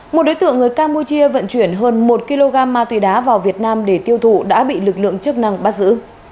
một đối tượng người campuchia vận chuyển hơn một kg ma túy đá vào việt nam để tiêu thụ đã bị lực lượng chức năng bắt giữ